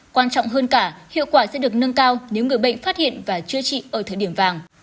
quan trọng hơn cả hiệu quả sẽ được nâng cao nếu người bệnh phát hiện và chữa trị ở thời điểm vàng